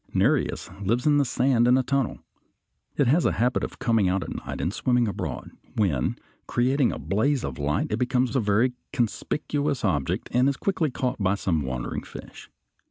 Nereis lives in the sand in a tunnel. It has a habit of coming out at night and swimming abroad, when, creating a blaze of light, it becomes a very conspicuous object and is quickly caught by some wandering fish.